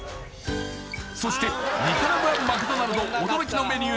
そしてニカラグアマクドナルド驚きのメニュー